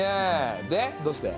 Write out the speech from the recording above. でどうして？